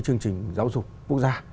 chương trình giáo dục quốc gia